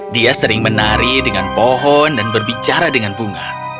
dia sering menari dengan pohon dan berbicara dengan bunga